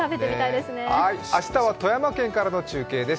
明日は富山県からの中継です。